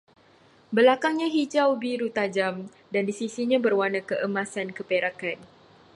Belakangnya hijau-biru tajam, dan sisinya berwarna keemasan-keperakan